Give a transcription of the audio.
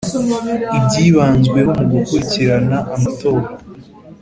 Ibyibanzweho mu gukurikirana amatora